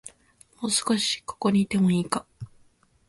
もう少し、ここにいてもいいか